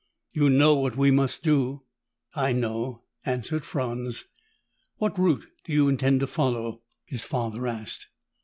"You know what we must do?" "I know," answered Franz. "What route do you intend to follow?" his father asked.